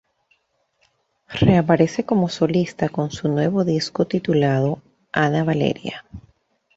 Reaparece como solista con su nuevo disco titulado Ana Valeria.